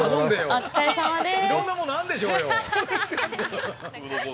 ◆お疲れさまです。